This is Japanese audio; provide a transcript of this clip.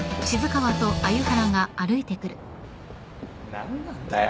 何なんだよ